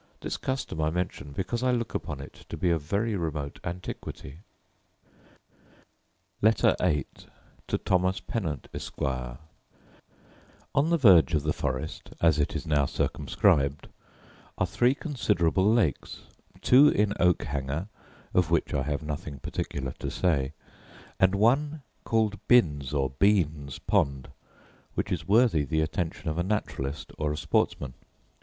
This custom I mention, because I look upon it to be of very remote antiquity. Letter VIII To Thomas Pennant, Esquire On the verge of the forest, as it is now circumscribed, are three considerable lakes, two in Oakhanger, of which I have nothing particular to say; and one called Bin's or Bean's Pond, which is worthy the attention of a naturalist or a sportsman.